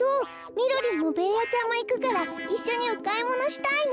みろりんもベーヤちゃんもいくからいっしょにおかいものしたいの。